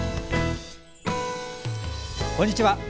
こんにちは。